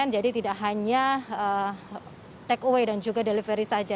jadi tidak hanya takeaway dan juga delivery saja